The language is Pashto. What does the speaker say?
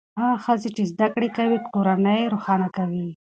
هغه ښځې چې زده کړې کوي کورنۍ روښانه کوي.